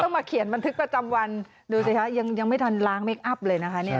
มาเขียนบันทึกประจำวันดูสิคะยังไม่ทันล้างเคคอัพเลยนะคะเนี่ย